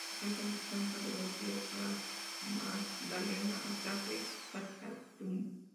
Está presente en las cuencas de los ríos Magdalena, Atrato y Catatumbo.